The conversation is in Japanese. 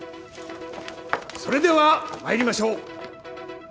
それでは参りましょう。